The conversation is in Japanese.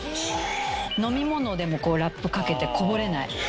飲み物でもラップかけて、こぼれない。